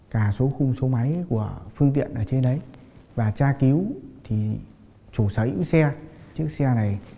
cảm ơn các bạn đã theo dõi và hẹn gặp lại